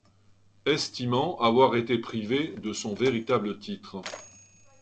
Estimant avoir été privée de son véritable titre.